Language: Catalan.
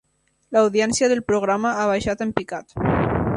L'audiència del programa ha baixat en picat.